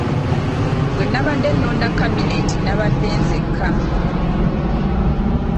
Bwe nabadde nnonda kabineeti nabadde nzekka.